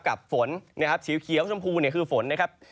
กับฝนสีเขียวชมพูคือฝน